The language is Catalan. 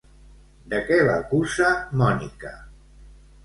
De què l'acusa Mónica?